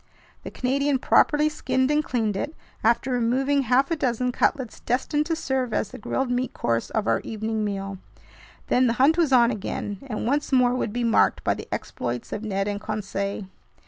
The Canadian properly skinned and cleaned it, after removing half a dozen cutlets destined to serve as the grilled meat course of our evening meal. Then the hunt was on again, and once more would be marked by the exploits of Ned and Conseil.